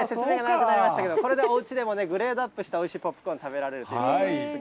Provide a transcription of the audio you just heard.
これがおうちでもグレードアップしたおいしいポップコーン食べられるということですが。